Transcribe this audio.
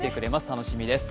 楽しみです。